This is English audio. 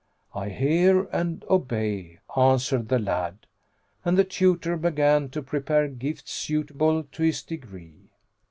"I hear and obey," answered the lad; and the tutor began to prepare gifts suitable to his degree.